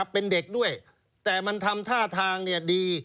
เป็นเด็กด้วยแต่มันทำท่าทางดี